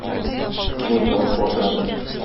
Кыңгырау шалтырады.